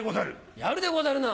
やるでござるな。